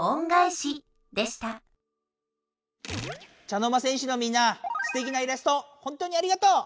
茶の間戦士のみんなすてきなイラストほんとにありがとう！